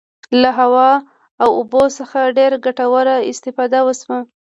له هوا او اوبو څخه ډیره ګټوره استفاده وشوه.